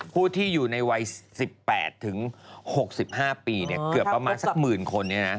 ผู้ที่อยู่ในวัย๑๘๖๕ปีเกือบประมาณสักหมื่นคน